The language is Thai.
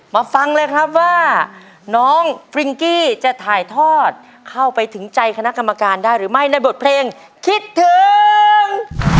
ฟังเลยครับว่าน้องฟริงกี้จะถ่ายทอดเข้าไปถึงใจคณะกรรมการได้หรือไม่ในบทเพลงคิดถึง